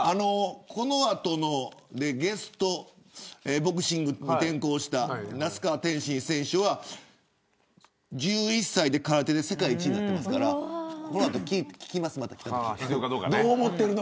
この後のゲストがボクシングに転向した那須川天心選手は１１歳で空手で世界一になってますからこの後、また聞いてみます。